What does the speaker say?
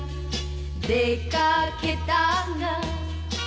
「出掛けたが」